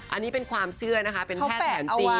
อันนี้เป็นความเชื่อนะคะเป็นแพทย์แผนจีน